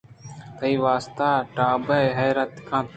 تئی واستہ ٹاب ئِے حیرات کنت